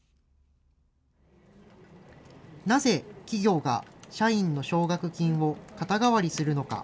なぜ企業が社員の奨学金を肩代わりするのか。